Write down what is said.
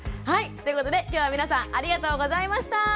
はいということで今日は皆さんありがとうございました！